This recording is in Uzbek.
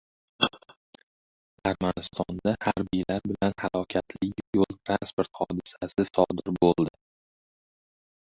Armanistonda harbiylar bilan halokatli yo‘l-transport hodisasi sodir bo‘ldi